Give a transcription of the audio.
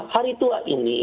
hari tua ini